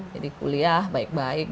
jadi kuliah baik baik